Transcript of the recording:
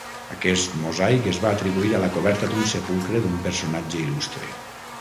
Aquest mosaic es va atribuir a la coberta d'un sepulcre d'un personatge il·lustre.